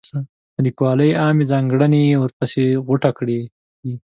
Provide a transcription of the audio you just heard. د لیکوالۍ عامې ځانګړنې یې ورپسې غوټه کړي دي.